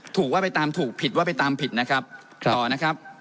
ถูกว่าไปตามถูกผิดว่าไปตามผิดนะครับต่อนะครับ